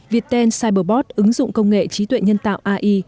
viettel cyberbot ứng dụng công nghệ trí tuệ nhân tạo ai